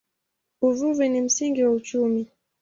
Uvuvi ni msingi wa uchumi.